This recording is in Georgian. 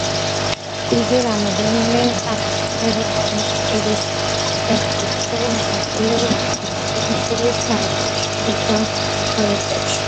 იგი რამდენიმე სამეცნიერო კოლექტივის წევრია, ასევე მონაწილეობს უნგრულ და საერთაშორისო პროექტებში.